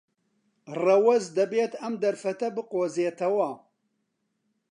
ڕەوەز دەبێت ئەم دەرفەتە بقۆزێتەوە.